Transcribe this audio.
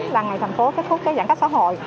là ngày thành phố kết thúc giãn cách xã hội